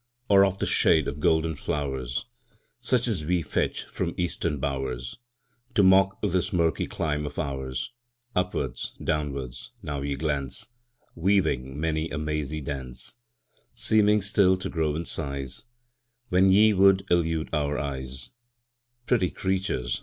Or of the shade of golden flowers, Such as we fetch from Eastern bowers, To mock this murky clime of ours? Upwards, downwards, now ye glance, Weaving many a mazy dance; Seeming still to grow in size When ye would elude our eyes Pretty creatures!